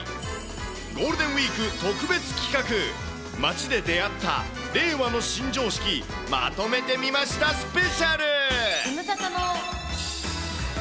ゴールデンウィーク特別企画、街で出会った令和の新常識、まとめてみましたスペシャル。